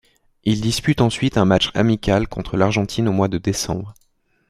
Il dispute ensuite un match amical contre l'Argentine au mois de décembre.